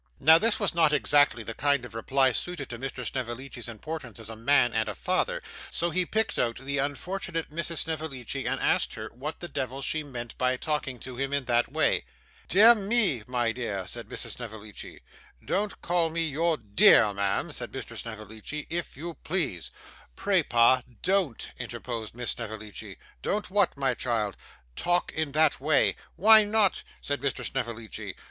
Now this was not exactly the kind of reply suited to Mr. Snevellicci's importance as a man and a father, so he picked out the unfortunate Mrs Snevellicci, and asked her what the devil she meant by talking to him in that way. 'Dear me, my dear!' said Mrs. Snevellicci. 'Don't call me your dear, ma'am,' said Mr. Snevellicci, 'if you please.' 'Pray, pa, don't,' interposed Miss Snevellicci. 'Don't what, my child?' 'Talk in that way.' 'Why not?' said Mr. Snevellicci.